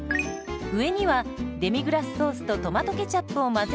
上にはデミグラスソースとトマトケチャップを混ぜ合わせたものを。